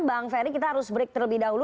bang ferry kita harus break terlebih dahulu